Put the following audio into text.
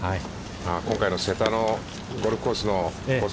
今回の瀬田のゴルフコースのコース